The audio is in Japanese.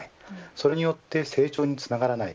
それによって成長につながらない。